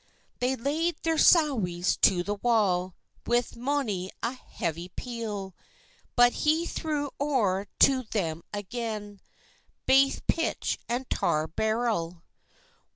They laid their sowies to the wall, With mony a heavy peal; But he threw o'er to them agen Baith pitch and tar barrel.